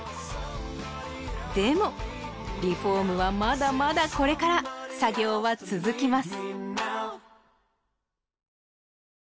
でもリフォームはまだまだこれから作業は続きます